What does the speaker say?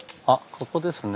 ここですね。